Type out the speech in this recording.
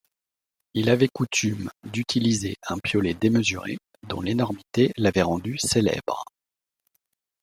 Il avait coutume d'utiliser un piolet démesuré dont l'énormité l'avait rendu célèbre.